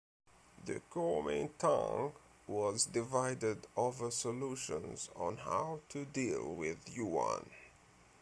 The Kuomintang was divided over solutions on how to deal with Yuan.